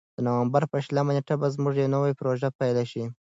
د نوامبر په شلمه نېټه به زموږ نوې پروژې پیل شي.